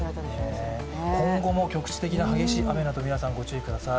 今後も局地的な激しい雨など皆さんご注意ください。